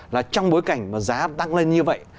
là trong bối cảnh giá tăng lên như vậy